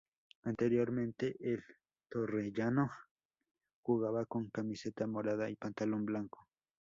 Anteriormente, el Torrellano jugaba con camiseta morada y pantalón blanco.